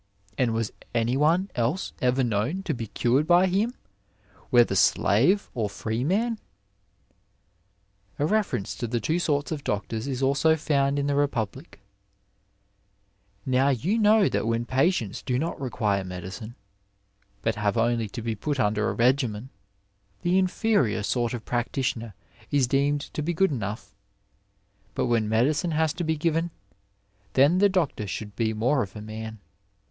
And was any one else ever known to be cured by him whether slave or freeman ?"• A reference to the two sorts of doctors is also found in the Republic :" Now you know that when patients do not require medicine, but have only to be put under a regimen, the inferior sort of practitioner is deemed to be good enough ; but when medicine has to be given, then the doctor should be more of a man."